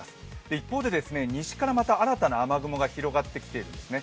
一方で西からまた新たな雨雲が広がってきているんですね。